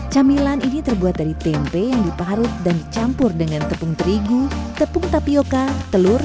camilan ini terbuat dari tempe yang diparut dan dicampur dengan tepung terigu tepung tapioca telur